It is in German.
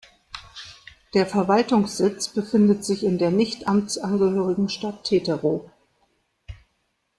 Der Verwaltungssitz befindet sich in der nicht amtsangehörigen Stadt Teterow.